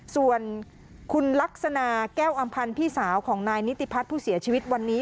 ส่วนคุณลักษณะแก้วอำพันธ์พี่สาวของนายนิติพัฒน์ผู้เสียชีวิตวันนี้